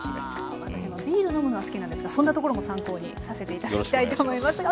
うわ私もビール飲むのが好きなんですがそんなところも参考にさせて頂きたいと思いますが。